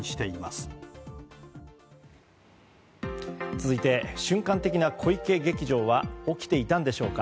続いて瞬間的な小池劇場は起きていたんでしょうか。